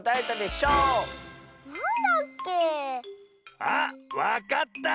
あっわかった！